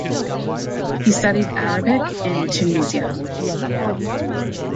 He studied Arabic in Tunisia.